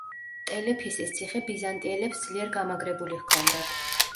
ტელეფისის ციხე ბიზანტიელებს ძლიერ გამაგრებული ჰქონდათ.